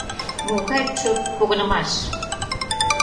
— Могай чорт погынымаш!..